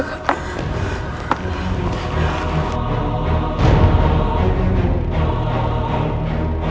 kalau kamu difungsi